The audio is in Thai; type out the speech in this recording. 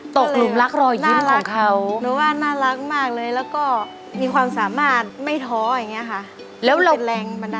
กลุ่มรักรอยยิ้มของเขาหนูว่าน่ารักมากเลยแล้วก็มีความสามารถไม่ท้ออย่างนี้ค่ะ